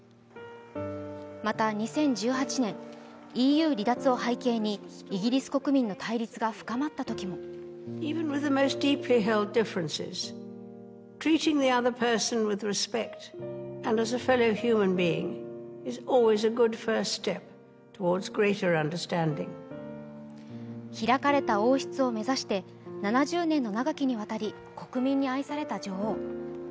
また２０１８年、ＥＵ離脱を背景にイギリス国民の対立が深まったときにも開かれた王室を目指して７０年の長きにわたり国民に愛された女王。